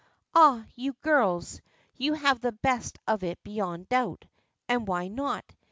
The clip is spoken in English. Ah, you girls! you have the best of it beyond doubt! And why not?